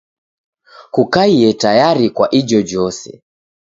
Kukaie tayari kwa ijojose.